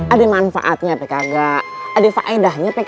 ada manfaatnya pkk ada faedahnya pkb